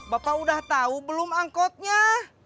bapak udah tahu belum angkotnya